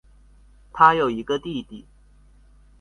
她有一个弟弟。